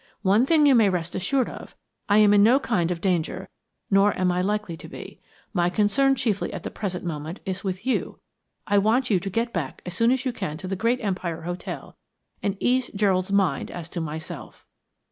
One thing you may rest assured of I am in no kind of danger, nor am I likely to be. My concern chiefly at the present moment is with you. I want you to get back as soon as you can to the Great Empire Hotel, and ease Gerald's mind as to myself."